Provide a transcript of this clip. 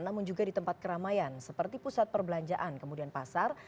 namun juga di tempat keramaian seperti pusat perbelanjaan kemudian pasar